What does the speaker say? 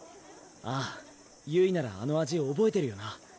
ああゆいならあの味おぼえてるよな？